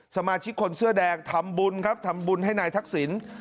สมาชิกคนเสื้อแดงทำบุญครับทำบุญให้นายทักษิณ